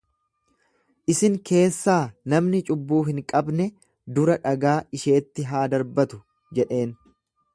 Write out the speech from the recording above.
Isin keessaa namni cubbuu hin qabne dura dhagaa isheetti haa darbatu jedheen.